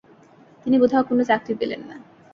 তিনি কোথাও কোন চাকরি পেলেন না।